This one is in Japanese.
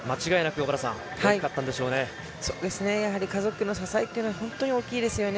今までの家族の支えっていうのは本当に大きいですよね。